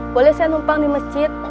boleh saya numpang di masjid